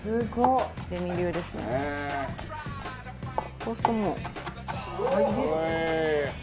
こうするともう。早え！